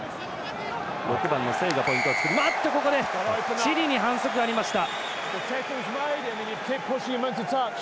チリに反則がありました。